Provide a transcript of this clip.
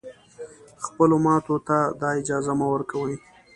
خپلو ماتو ته دا اجازه مه ورکوی